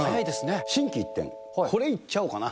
心機一転、これいっちゃおうかな。